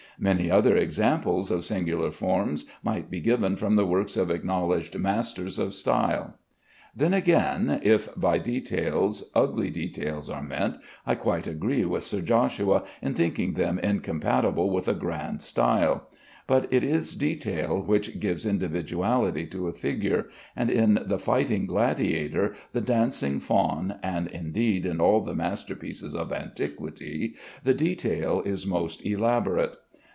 Many other examples of singular forms might be given from the works of acknowledged masters of style. Then, again, if by "details" ugly details are meant, I quite agree with Sir Joshua in thinking them incompatible with a grand style, but it is detail which gives individuality to a figure; and in the fighting gladiator, the dancing fawn, and indeed in all the masterpieces of antiquity, the detail is most elaborate.